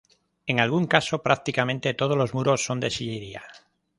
En algún caso prácticamente todos los muros son de sillería.